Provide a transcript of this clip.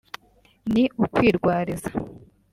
Ni ukwirwariza